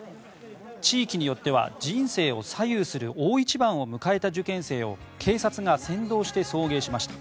地域によっては人生を左右する大一番を迎えた受験生を警察が先導して送迎しました。